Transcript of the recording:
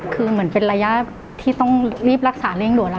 คือเหมือนเป็นระยะที่ต้องรีบรักษาเร่งด่วน